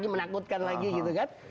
menakutkan lagi gitu kan